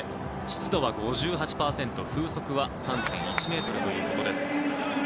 湿度は５８％、風速は３．１メートルということです。